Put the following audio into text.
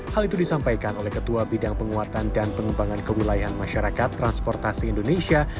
hal itu disampaikan oleh ketua bidang penguatan dan pengembangan kewilayahan masyarakat transportasi indonesia